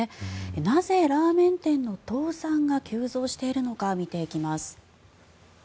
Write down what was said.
なぜ、ラーメン店の倒産が急増しているのか見ていきます。